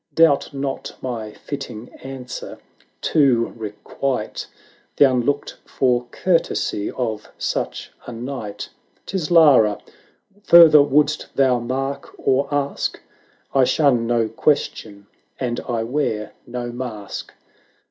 Doubt not my fitting answer to requite The unlooked for courtesy of such a knight. 'Tis Lara !— further wouldst thou mark or ask? I shun no question, and I wear no mask."